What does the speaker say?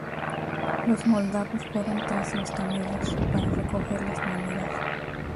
Los moldavos fueron tras los camellos para recoger las monedas.